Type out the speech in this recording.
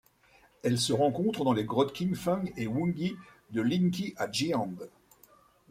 Elle se rencontre dans les grottes Qingfeng et Wugui de Lingqi à Jiande.